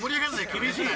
厳しい。